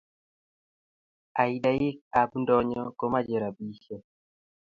Aidaika ab ndonyo komache rapishek